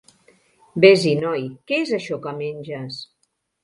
Vés-hi, noi. Què és això que menges?